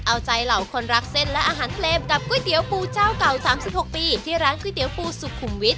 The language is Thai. เอาใจเหล่าคนรักเส้นและอาหารทะเลมกับก๋วยเตี๋ยวปูเจ้าเก่า๓๖ปีที่ร้านก๋วยเตี๋ยปูสุขุมวิทย